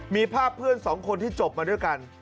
มีภาพเพื่อนสองคนที่จบมาด้วยกัน